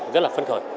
rất là phân khởi